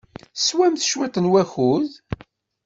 Tesɛamt cwiṭ n wakud?